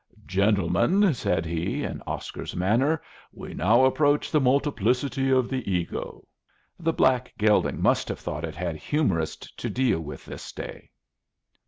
"Gentlemen," said he, in Oscar's manner, "we now approach the multiplicity of the ego." The black gelding must have thought it had humorists to deal with this day.